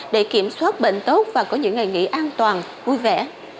để kiểm soát bệnh tốt và có những ngày nghỉ an toàn vui vẻ